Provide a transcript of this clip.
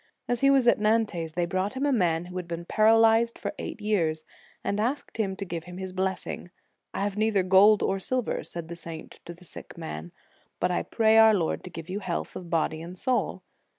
As he was at Nantes, they brought him a man who had been paralyzed for eighteen years, and asked him to give him his blessing. " I have neither gold nor silver," said the saint to the sick man, " but I pray our Lord to give you health of body and soul."